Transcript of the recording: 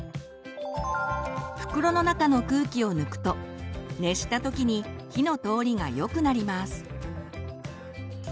袋の中の空気を抜くと熱した時に火の通りがよくなります。